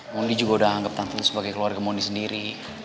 mondi juga udah anggap tampil sebagai keluarga mondi sendiri